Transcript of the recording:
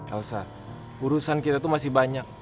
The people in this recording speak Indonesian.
elsa urusan kita itu masih banyak